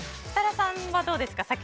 設楽さんはどうですか？